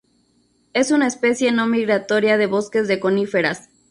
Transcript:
Es una especie no migratoria de bosques de coníferas.